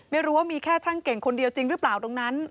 ไม่รู้ว่ามีแค่ช่างเก่งคนเดียวจริงหรือเปล่าตรงนั้น